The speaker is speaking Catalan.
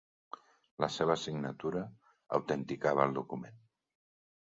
La seva signatura autenticava el document.